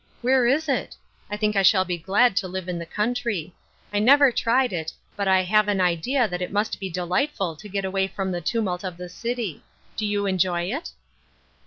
Where is it '^ I think I shall be glad to live in the country . I never tried it, but I have an idea that i must be delightful to get away from the tumult uf the city. Do you enjoy it